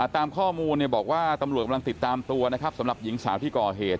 ตามข้อมูลบอกว่าตำรวจกำลังติดตามตัวนะครับสำหรับหญิงสาวที่ก่อเหตุ